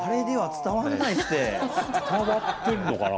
伝わってんのかな？